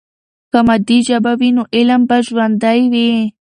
که مادي ژبه وي، نو علم به ژوندۍ وي.